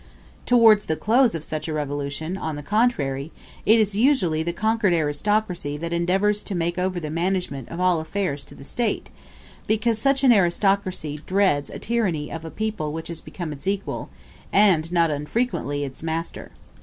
Towards the close of such a revolution, on the contrary, it is usually the conquered aristocracy that endeavors to make over the management of all affairs to the State, because such an aristocracy dreads the tyranny of a people which has become its equal, and not unfrequently its master.